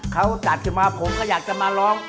เขาจัดขึ้นมาผมก็อยากจะมาร้อง